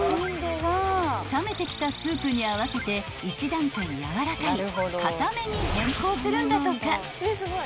［冷めてきたスープに合わせて１段階やわらかいかために変更するんだとか］